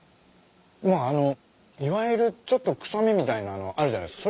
まああのいわゆるちょっと臭みみたいなのあるじゃないすか。